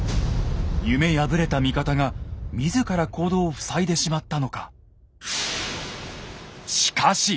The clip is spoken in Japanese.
夢破れた味方が自ら坑道を塞いでしまったのか。